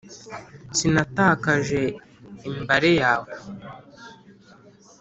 sinatakaje imbare yawe